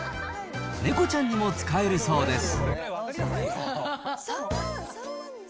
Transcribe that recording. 猫ちゃんにも使えるそうです。